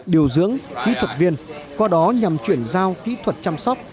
điều dưỡng kỹ thuật viên qua đó nhằm chuyển giao kỹ thuật chăm sóc